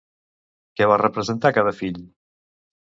Què va representar cada fill?